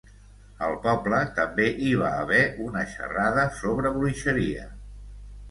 Al poble també hi va haver una xerrada sobre bruixeria.